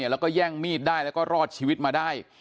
แล้วก็แย่งมีดได้แล้วก็รอดชีวิตมาได้